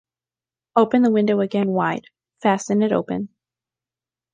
Open the window again wide: fasten it open!